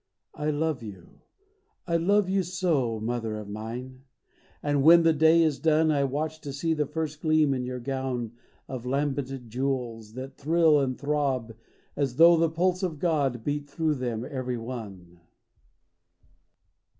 I love j^ou, love 3'ou so, IMother of mine ! And when the day is done I watch to see the first gleam in 3^our gown Of lambent jewels that thrill and throb as though The pulse of God beat through them — every one